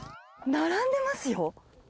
並んでますよ。